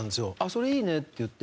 「それいいね」って言って。